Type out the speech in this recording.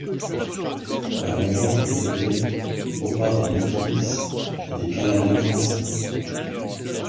La région fut peuplée au par des Métis et des Canadiens-français.